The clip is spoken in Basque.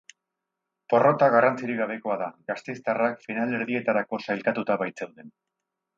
Porrota garrantzirik gabekoa da, gasteiztarrak finalerdietarako sailkatuta baitzeuden.